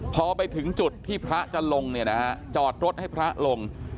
พอไปถึงจุดที่พระจะลงเนี่ยนะฮะจอดรถให้พระลง